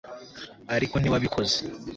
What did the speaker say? ariko ntiwabikoze